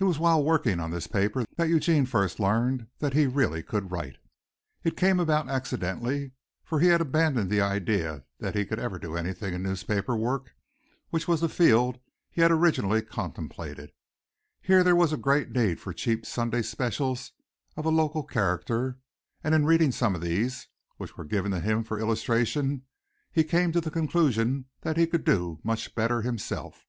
It was while working on this paper that Eugene first learned that he really could write. It came about accidentally for he had abandoned the idea that he could ever do anything in newspaper work, which was the field he had originally contemplated. Here there was great need for cheap Sunday specials of a local character, and in reading some of these, which were given to him for illustration, he came to the conclusion that he could do much better himself.